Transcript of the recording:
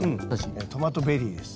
トマトベリーです。